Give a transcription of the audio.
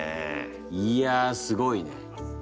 いやすごいね。